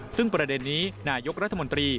ซึ่งประเด็นนี้นายกรัฐมนตรี